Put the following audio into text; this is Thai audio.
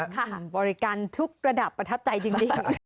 บริการทุกระดับประทับใจจริง